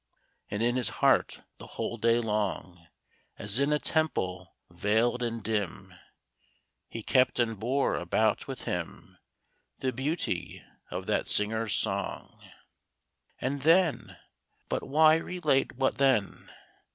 And in his heart the whole day long, As in a temple veiled and dim, He kept and bore about with him The beauty of that singer's song. And then? But why relate what then?